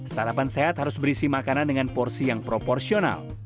sarapan sehat harus berisi makanan dengan porsi yang proporsional